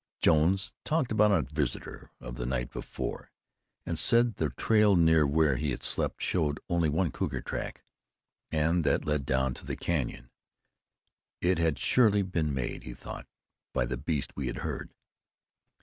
Jones talked about our visitor of the night before, and said the trail near where he had slept showed only one cougar track, and that led down into the canyon. It had surely been made, he thought, by the beast we had heard.